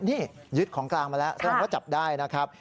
นี่ยึดของกลางมาแล้วแสดงว่าจับได้นะครับ